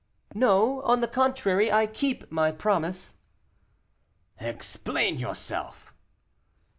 "No, on the contrary; I keep my promise." "Explain yourself."